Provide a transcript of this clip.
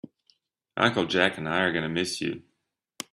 Uncle Jack and I are going to miss you.